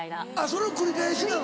その繰り返しなの？